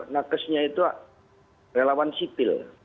nakesnya itu relawan sipil